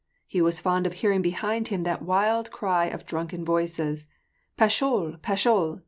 He was fond of hearing behind him that wild cry of drunken voices, " Pashol ! pash6l !